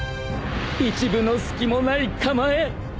一分の隙もない構え。